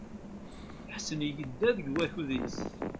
Ḥsen yedda deg wakud-is.